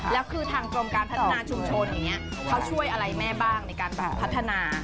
แล้วคือทางกรมการพัฒนาชุมชนอย่างนี้เขาช่วยอะไรแม่บ้างในการแบบพัฒนา